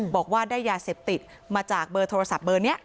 บอกว่าได้ยาเสพติดมาจากเบอร์โทรศัพท์เบอร์นี้